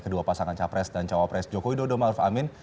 kedua pasangan capres dan capres joko widodo ma'ruf amin